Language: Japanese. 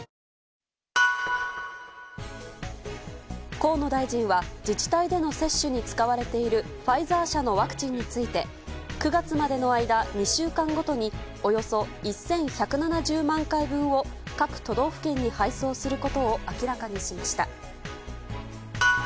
河野大臣は自治体での接種に使われているファイザー社のワクチンについて９月までの間２週間ごとにおよそ１１７０万回分を各都道府県に配送することを明らかにしました。